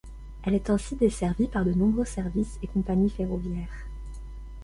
Elle est ainsi desservie par de nombreux services et compagnies ferroviaires.